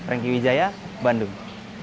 rengki wijaya bandung